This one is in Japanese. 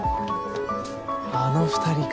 あの２人か。